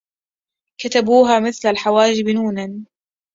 كتبوها مثل الحواجب نونا